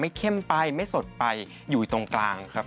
เข้มไปไม่สดไปอยู่ตรงกลางครับ